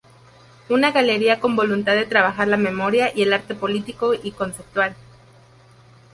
Una galería con voluntad de trabajar la memoria y el arte político y conceptual.